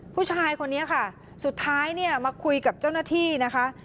ผู้ชายคนนี้ค่ะสุดท้ายเนี่ยมาคุยกับเจ้าหน้าที่นะคะ